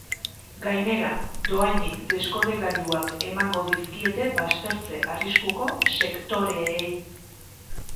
Gainera, dohainik deskodegailuak emango dizkiete baztertze arriskuko sektoreei.